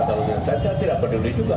saya tidak peduli juga